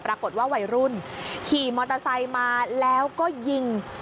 วัยรุ่นขี่มอเตอร์ไซค์มาแล้วก็ยิง